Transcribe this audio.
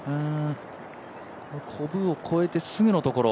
こぶを越えてすぐのところ。